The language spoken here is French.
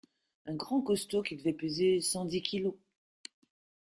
Un grand costaud qui devait peser cent dix kilos.